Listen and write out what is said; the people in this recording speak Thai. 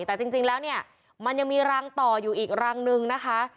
แต่จริงแล้วเนี่ยมันยังมีรังต่ออยู่อีกรังนึงนะคะ